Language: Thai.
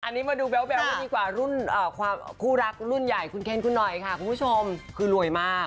อันนี้มาดูแบ๊วกันดีกว่ารุ่นคู่รักรุ่นใหญ่คุณเคนคุณหน่อยค่ะคุณผู้ชมคือรวยมาก